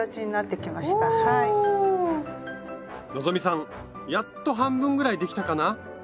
希さんやっと半分ぐらいできたかな？